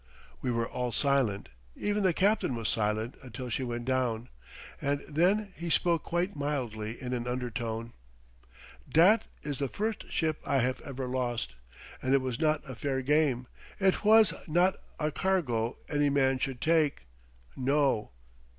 We were all silent, even the captain was silent until she went down. And then he spoke quite mildly in an undertone. "Dat is the first ship I haf ever lost.... And it was not a fair game! It wass not a cargo any man should take. No!"